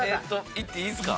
いっていいですか？